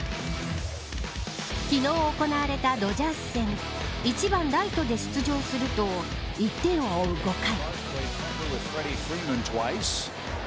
昨日行われたドジャース戦１番、ライトで出場すると１点を追う５回。